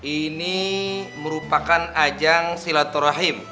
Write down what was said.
ini merupakan ajang silaturahim